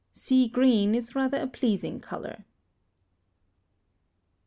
Sea green is rather a pleasing colour.